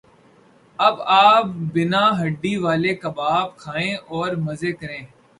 اب آپ بینا ہڈی والا کباب کھائیں اور مزے کریں